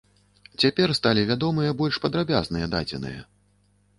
Цяпер сталі вядомыя больш падрабязныя дадзеныя.